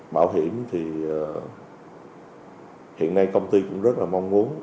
bảo hiểm thì hiện nay công ty cũng rất là mong muốn